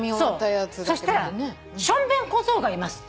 そしたらしょんべん小僧がいますって。